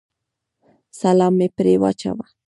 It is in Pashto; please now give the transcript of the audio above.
سلام مې پرې واچاوه.